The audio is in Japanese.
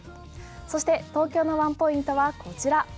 そして東京のワンポイントはこちら。